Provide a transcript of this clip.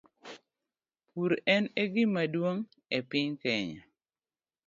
Pur en e gima duong' e piny Kenya,